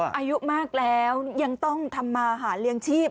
อายุมากแล้วยังต้องทำมาหาเลี้ยงชีพ